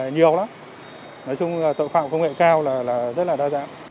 nói chung là tội phạm công nghệ cao là rất là đa dạng